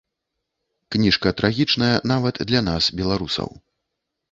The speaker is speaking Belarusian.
Кніжка трагічная, нават для нас, беларусаў.